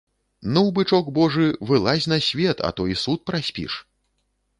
Ну, бычок божы, вылазь на свет, а то і суд праспіш.